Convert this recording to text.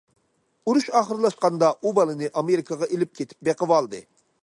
ئۇرۇش ئاخىرلاشقاندا ئۇ بالىنى ئامېرىكىغا ئېلىپ كېتىپ بېقىۋالدى.